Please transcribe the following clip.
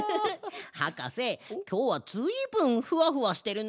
はかせきょうはずいぶんふわふわしてるね。